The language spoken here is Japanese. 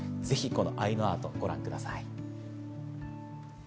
ぜひ、このアイヌアートをご覧ください。